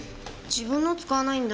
自分の使わないんだ。